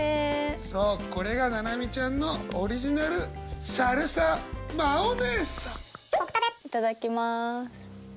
そうこれがＮＡＮＡＭＩちゃんのオリジナルいただきます！